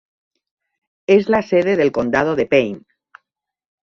Es la sede del condado de Payne.